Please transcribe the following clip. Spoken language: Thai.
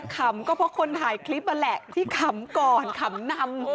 ขำก็เพราะคนถ่ายคลิปนั่นแหละที่ขำก่อนขำนำ